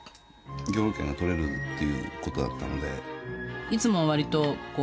漁業権が取れるっていう事だったので。